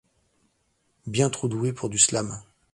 Bien trop douée pour du slam.